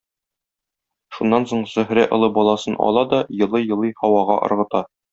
Шуннан соң, Зөһрә олы баласын ала да елый-елый һавага ыргыта.